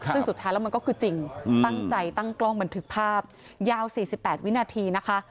ซึ่งสุดท้ายแล้วมันก็คือจริงตั้งใจตั้งกล้องบันทึกภาพยาว๔๘วินาทีนะคะ